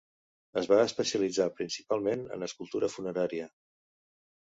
Es va especialitzar principalment en escultura funerària.